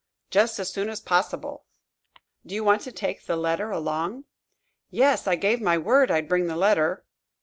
"Just as soon as possible." "Do you want to take the letter along?" "Yes; I gave my word I'd bring the letter."